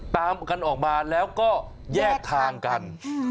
ตามกันออกมาแล้วก็แยกทางกัน